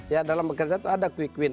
ya dalam bekerja itu ada quick win